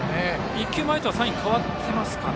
１球前とはサインかわっていますかね。